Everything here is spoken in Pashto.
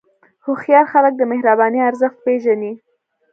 هوښیار خلک د مهربانۍ ارزښت پېژني.